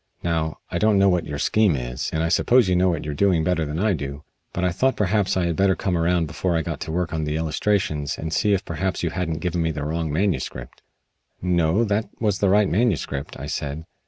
Now, I don't know what your scheme is, and I suppose you know what you are doing better than I do; but I thought perhaps I had better come around before I got to work on the illustrations and see if perhaps you hadn't given me the wrong manuscript." "No, that was the right manuscript," I said.